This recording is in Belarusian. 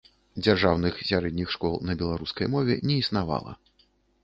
Дзяржаўных сярэдніх школ на беларускай мове не існавала.